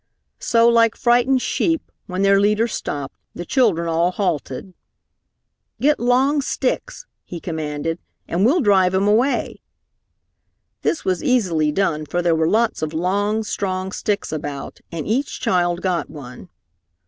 So like frightened sheep, when their leader stopped, the children all halted. "Get long sticks," he commanded, "and we'll drive him away." This was easily done, for there were lots of long, strong sticks about, and each child got one.